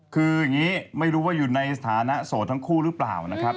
คืออย่างนี้ไม่รู้ว่าอยู่ในสถานะโสดทั้งคู่หรือเปล่านะครับ